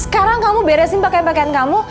sekarang kamu beresin pakaian pakaian kamu